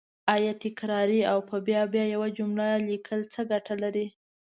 آیا تکراري او په بیا بیا یوه جمله لیکل څه ګټه لري